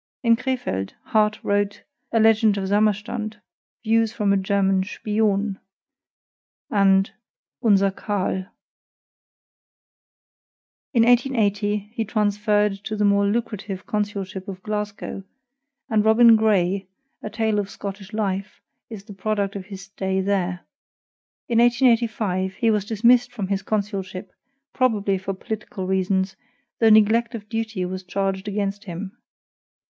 In Crefeld Harte wrote A LEGEND OF SAMMERSTANDT, VIEWS FROM A GERMAN SPION, and UNSER KARL. In 1880 he transferred to the more lucrative consulship of Glasgow, and ROBIN GRAY, a tale of Scottish life, is the product of his stay there. In 1885 he was dismissed from his consulship, probably for political reasons, though neglect of duty was charged against him.